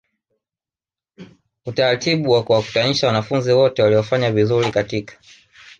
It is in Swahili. utaratibu wakuwakutanisha wanafunzi wote waliofanya vizuri katika